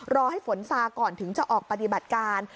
รอให้ฝนซาก่อนถึงจะออกปฏิบัติการ